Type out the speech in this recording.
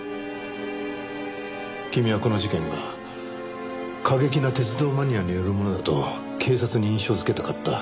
君はこの事件が過激な鉄道マニアによるものだと警察に印象づけたかった。